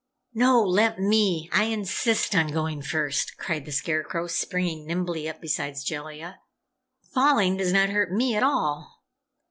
"No! Let me! I insist on going first," cried the Scarecrow, springing nimbly up beside Jellia. "Falling does not hurt me at all."